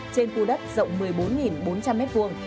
trên khu đất rộng một mươi bốn bốn trăm linh m hai